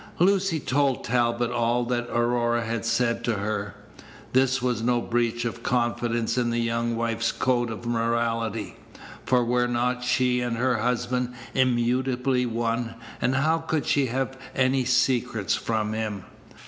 Lucy told Talbot all that Aurora had said to her. This was no breach of confidence in the young wife's code of morality; for were not she and her husband immutably one, and how could she have any secret from him?